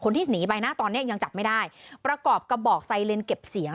ที่หนีไปนะตอนเนี้ยยังจับไม่ได้ประกอบกระบอกไซเลนเก็บเสียง